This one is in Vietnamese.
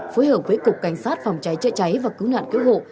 phối hợp với cục cảnh sát phòng cháy chữa cháy và cứu nạn cứu hộ